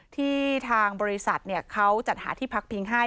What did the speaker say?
ที่ทางบริษัทเขาจัดหาที่พักพิงให้